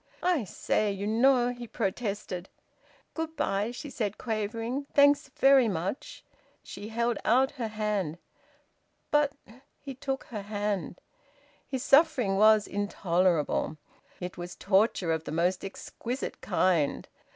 "I say you know " he protested. "Good bye," she said, quavering. "Thanks very much." She held out her hand. "But " He took her hand. His suffering was intolerable. It was torture of the most exquisite kind.